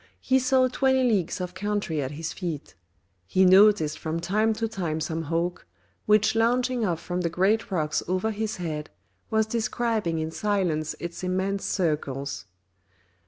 He saw twenty leagues of country at his feet. He noticed from time to time some hawk, which launching off from the great rocks over his head was describing in silence its immense circles.